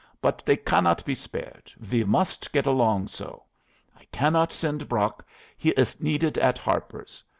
But they cannot be spared; we must get along so. I cannot send Brock, he is needed at Harper's.